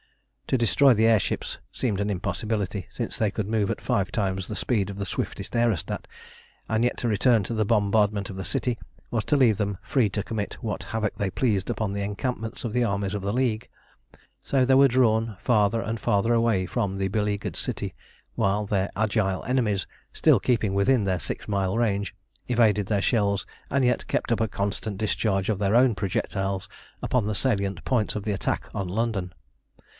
To destroy the air ships seemed an impossibility, since they could move at five times the speed of the swiftest aerostat, and yet to return to the bombardment of the city was to leave them free to commit what havoc they pleased upon the encampments of the armies of the League. So they were drawn farther and farther away from the beleaguered city, while their agile enemies, still keeping within their six mile range, evaded their shells, and yet kept up a constant discharge of their own projectiles upon the salient points of the attack on London.